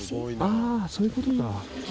ああそういう事か。